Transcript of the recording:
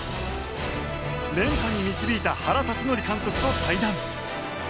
連覇に導いた原辰徳監督と対談。